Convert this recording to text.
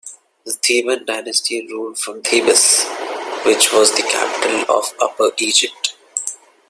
The Theban dynasty ruled from Thebes, which was the capital of Upper Egypt.